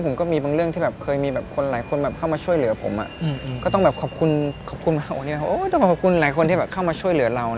ผมก็มีบางเรื่องที่เคยมีคนหลายคนเข้ามาช่วยเหลือผมก็ต้องขอบคุณมากต้องขอบคุณหลายคนที่เข้ามาช่วยเหลือเรา